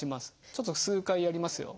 ちょっと数回やりますよ。